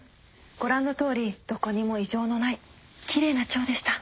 ご覧のとおりどこにも異常のない奇麗な腸でした。